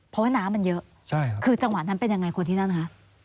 เพราะว่าน้ำมันเยอะคือจังหวะนั้นเป็นยังไงคนที่นั่นฮะ